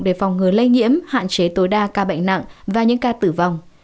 để phòng ngừa lây nhiễm hạn chế tối đa ca bệnh nặng và những ca tử vong